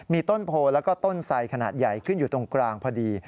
มีต้นโพแล้วก็ต้นไสขนาดใหญ่ขึ้นอยู่ตรงกลางพอดี